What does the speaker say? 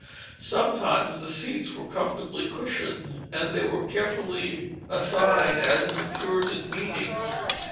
Sometimes the seats were comfortably cushioned, and they were carefully assigned as in the Puritan meetings.